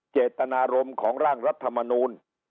เจตนารมณ์ของร่างรัฐมนูล